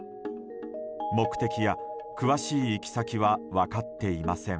目的や詳しい行き先は分かっていません。